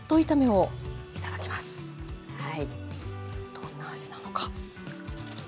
どんな味なのか。